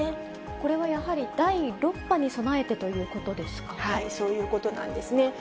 これはやはり第６波に備えてそういうことなんですね。